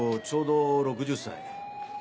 ちょうど６０歳。